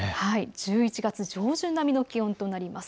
１１月上旬並みの気温となります。